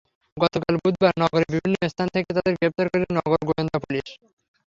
গতকাল বুধবার নগরের বিভিন্ন স্থান থেকে তাঁদের গ্রেপ্তার করে নগর গোয়েন্দা পুলিশ।